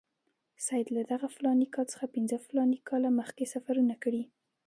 سید له دغه فلاني کال څخه پنځه فلاني کاله مخکې سفرونه کړي.